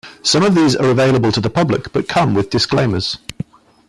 Some of these are available to the public but come with disclaimers.